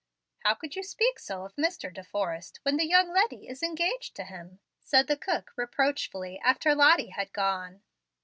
"How could you speak so of Mr. De Forrest, when the young leddy is engaged to him?" said the cook, reproachfully, after Lottie had gone.